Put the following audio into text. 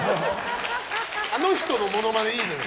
あの人のモノマネはいいのよ。